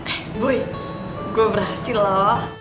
eh boy gua berhasil loh